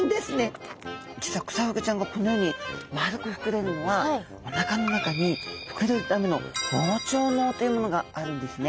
実はクサフグちゃんがこのように丸く膨れるのはおなかの中に膨れるための「膨張のう」というものがあるんですね。